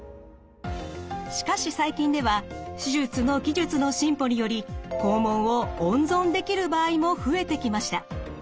しかし最近では手術の技術の進歩により肛門を温存できる場合も増えてきました。